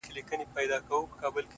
د گريوان ډورۍ ته دادی ځان ورسپاري;